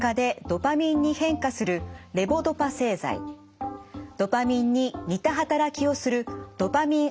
ドパミンに似た働きをするドパミン